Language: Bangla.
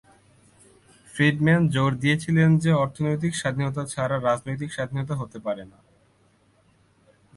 ফ্রিডম্যান জোর দিয়েছিলেন যে অর্থনৈতিক স্বাধীনতা ছাড়া রাজনৈতিক স্বাধীনতা হতে পারে না।